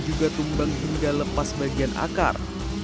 juga tumbang hingga lepas bagian akar